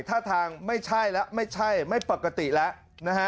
ท่าทางไม่ใช่แล้วไม่ใช่ไม่ปกติแล้วนะฮะ